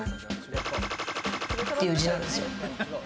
という字なんですよ。